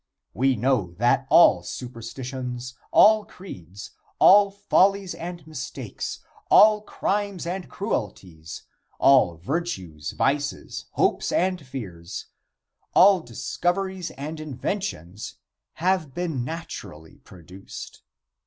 We know that all superstitions, all creeds, all follies and mistakes, all crimes and cruelties, all virtues, vices, hopes and fears, all discoveries and inventions, have been naturally produced.